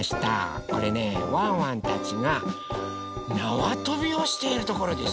これねワンワンたちがなわとびをしているところです！